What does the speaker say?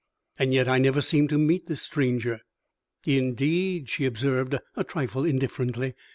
"And yet I never seem to meet this stranger." "Indeed!" she observed, a trifle indifferently.